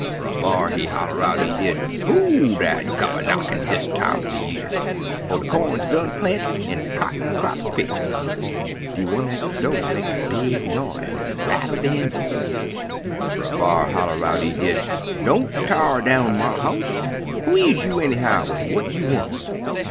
Brer B'ar, he holla out, he did. 'Who dat come a knockin' dis time er de year, 'fo' de corn's done planted, er de cotton crap's pitched?' De one at de do' make a big noise, an' rattle de hinges. Brer B'ar holla out, he did, 'Don't t'ar down my house! Who is you, anyhow, an' what you want?'